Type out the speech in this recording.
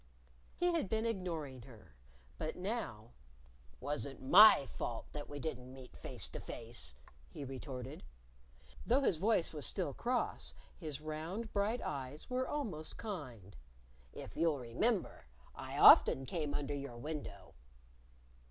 He had been ignoring her. But now, "Wasn't my fault that we didn't meet face to face," he retorted. Though his voice was still cross, his round, bright eyes were almost kind. "If you'll remember I often came under your window."